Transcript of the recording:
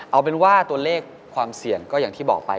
เอาเป็นว่าตัวเลขความเสี่ยงก็อย่างที่บอกไป